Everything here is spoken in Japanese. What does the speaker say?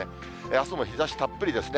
あすも日ざしたっぷりですね。